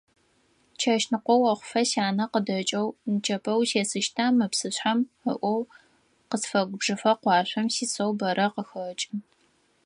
Чэщныкъо охъуфэ, сянэ къыдэкӀэу «нычэпэ утесыщта мы псышъхьэм» ыӀоу, къысфэгубжыфэ къуашъом сисэу бэрэ къыхэкӀы.